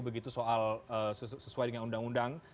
begitu soal sesuai dengan undang undang